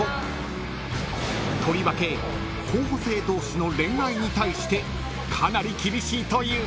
とりわけ候補生同士の恋愛に対してかなり厳しいという］